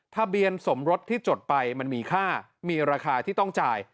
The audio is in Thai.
ทะเบียนสมรสที่จดไปมันมีค่ามีราคาที่ต้องจ่าย